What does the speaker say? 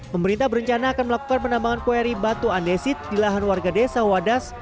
pemerintah berencana akan melakukan penambangan kueri batu andesit di lahan warga desa wadas